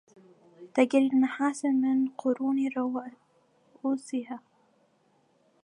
تجري المحاسن من قرون رؤوسها